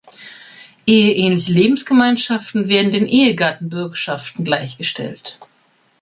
Eheähnliche Lebensgemeinschaften werden den Ehegatten-Bürgschaften gleichgestellt.